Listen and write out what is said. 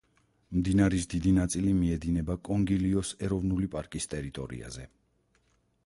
მდინარის დიდი ნაწილი მიედინება კონგილიოს ეროვნული პარკის ტერიტორიაზე.